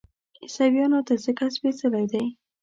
عیسویانو ته ځکه سپېڅلی دی.